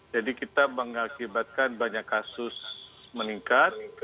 jadi kita mengakibatkan banyak kasus meningkat